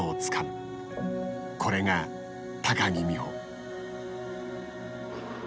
これが木美帆。